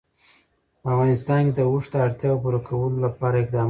په افغانستان کې د اوښ د اړتیاوو پوره کولو لپاره اقدامات کېږي.